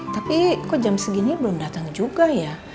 tapi kok jam segini belum datang juga ya